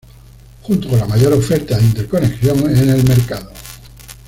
Junto con la mayor oferta de interconexión en el mercado.